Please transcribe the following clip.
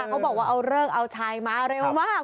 เขาบอกว่าเอาเลิกเอาชัยมาเร็วมาก